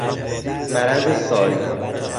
مرض ساری